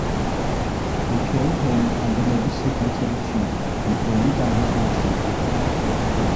They killed him and another signatory chief, and burned down his mansion.